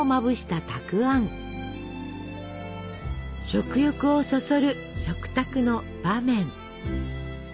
食欲をそそる食卓の場面。